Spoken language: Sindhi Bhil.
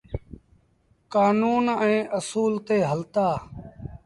ڪآنون ائيٚݩ اسول تي هلتآ۔